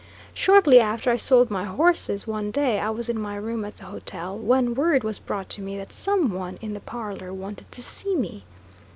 Shortly after I sold my horses, one day I was in my room at the hotel, when word was brought to me that some one in the parlor wanted to see me.